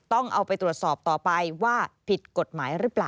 ต้องเอาไปตรวจสอบต่อไปว่าผิดกฎหมายหรือเปล่า